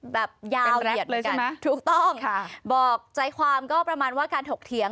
แบบยาวเหยียดเลยใช่ไหมถูกต้องค่ะบอกใจความก็ประมาณว่าการถกเถียง